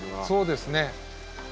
そうですね。